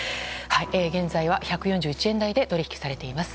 現在は１４１円台で取引されています。